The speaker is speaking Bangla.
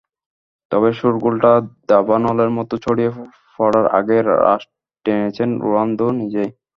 তবে শোরগোলটা দাবানলের মতো ছড়িয়ে পড়ার আগেই রাশ টেনেছেন রোনালদো নিজেই।